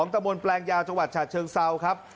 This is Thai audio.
ตะมนต์แปลงยาวจังหวัดฉะเชิงเซาครับ